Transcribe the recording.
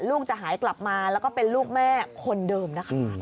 ลูกจะหายกลับมาแล้วก็เป็นลูกแม่คนเดิมนะคะ